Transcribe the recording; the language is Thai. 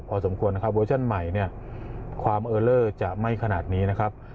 พอสมควรนะครับเวอร์ชั่นใหม่เนี่ยความเออเลอร์จะไม่ขนาดนี้นะครับ